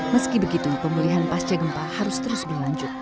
meski begitu pemulihan pasca gempa harus terus berlanjut